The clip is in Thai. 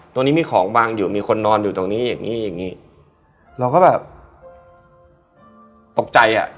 ตรงนี้มีของวางอยู่มีคนนอนอยู่ตรงนี้อย่างงี้อย่างงี้เราก็แบบตกใจอ่ะ